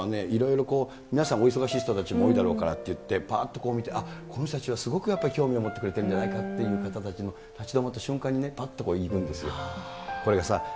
駿君すごいなと思うのは、いろいろ皆さん、お忙しい人たちも多いだろうからっていって、ぱっと見て、あっ、この人たちはすごく興味を持ってくれてるんじゃないかという方たちも立ち止まった瞬間に、ぱっといくんですよ。